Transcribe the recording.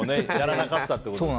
やらなかったと。